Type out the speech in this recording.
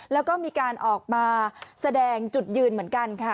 แล้วก็มีการออกมาแสดงจุดยืนเหมือนกันค่ะ